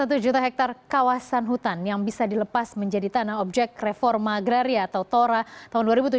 ada satu juta hektare kawasan hutan yang bisa dilepas menjadi tanah objek reforma agraria atau tora tahun dua ribu tujuh belas